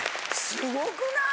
すごくない！？